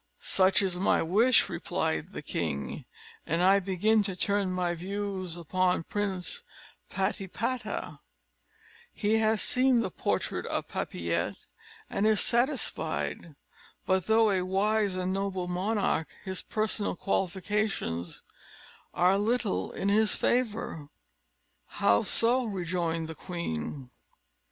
"Such is my wish," replied the king, "and I begin to turn my views upon Prince Patipata; he has seen the portrait of Papillette, and is satisfied; but, though a wise and noble monarch, his personal qualifications are little in his favor." "How so!" rejoined the queen.